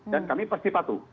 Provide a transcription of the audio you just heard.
dan kami pasti patuh